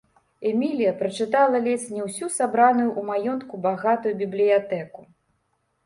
Эмілія перачытала ледзь не ўсю сабраную ў маёнтку багатую бібліятэку.